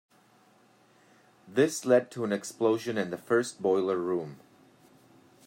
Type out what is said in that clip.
This led to an explosion in the first boiler room.